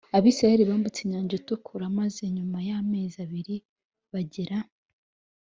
Abisirayeli bambutse Inyanja Itukura maze nyuma y amezi abiri bagera